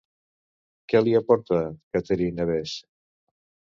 Què li aporta Catherine a Bess?